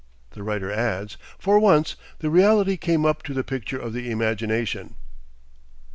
The writer adds: "For once, the reality came up to the picture of the imagination."